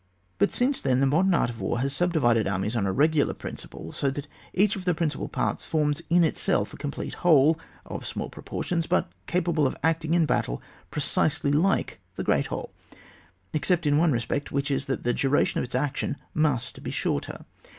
But since then the modem art of war has subdivided armies on a reg^ar principle, so that each of the principal pcirts forms in itself a complete whole, of small proportions, but capable of acting in battle precisely like the g^eat whole, except in one respect, which is, that the duration of its action must be shorter.